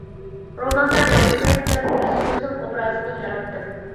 روماندا غەلىتىرەك بىر پېرسوناژنىڭ ئوبرازىنى ياراتتىم.